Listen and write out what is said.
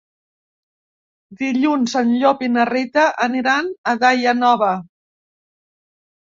Dilluns en Llop i na Rita aniran a Daia Nova.